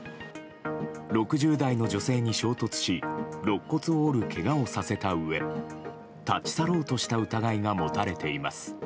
６０代の女性に衝突しろっ骨を折るけがをさせたうえ立ち去ろうとした疑いが持たれています。